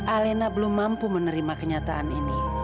alena belum mampu menerima kenyataan ini